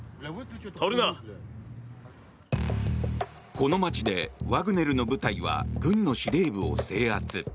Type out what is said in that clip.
この街でワグネルの部隊は軍の司令部を制圧。